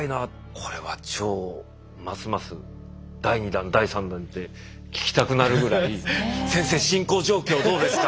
これは腸ますます第２弾第３弾って聞きたくなるぐらい「先生進行状況どうですか？」